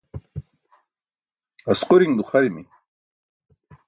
asquriṅ duxarimi